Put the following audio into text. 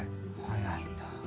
早いんだ。